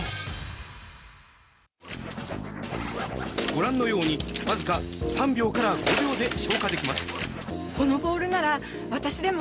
御覧のように僅か３秒から５秒で消火できます。